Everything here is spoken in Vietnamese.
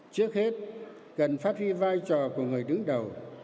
trước hết cần phát huy vai trò của người đứng đầu